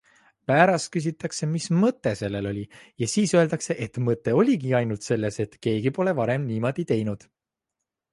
Pärast küsitakse, mis mõte sellel oli, ja siis öeldakse, et mõte oligi ainult selles, et keegi pole varem niimoodi teinud.